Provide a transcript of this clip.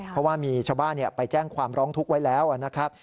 เพราะว่ามีชาวบ้านไปแจ้งความร้องทุกข์ไว้แล้วนะครับ